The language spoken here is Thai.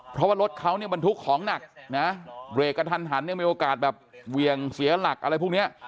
เพราะว่ารถเขาเนี่ยบรรทุกของหนักนะเบรกกระทันหันยังมีโอกาสแบบเหวี่ยงเสียหลักอะไรพวกนี้